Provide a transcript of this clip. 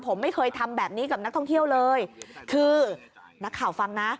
ผมไม่เคยทำแบบนี้กับนักท่องเที่ยวเลยคือนักข่าวฟังนะ